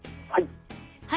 はい。